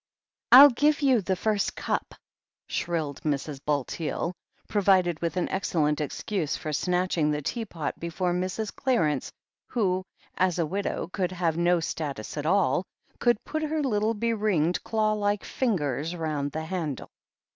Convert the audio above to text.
"ril give you the first cup," shrilled Mrs. Bulteel, provided with an excellent excuse for snatching the tea pot before Mrs. Clarence, who, as a widow, could have no status at all, could put her little be ringed, claw like fingers round the handle.